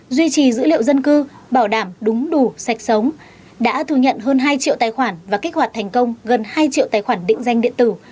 duy trì dữ liệu dân cư bảo đảm đúng đủ sạch sống đã thu nhận hơn hai triệu tài khoản và kích hoạt thành công gần hai triệu tài khoản định danh điện tử